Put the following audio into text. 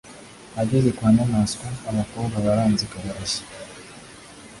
ageze kwa nyamwasa abakobwa baranzika barasya